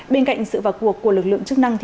bên cạnh sự vào cuộc của lực lượng chức năng